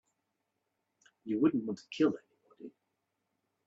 You wouldn't want to kill anybody.